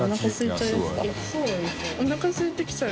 「おなかすいてきちゃう」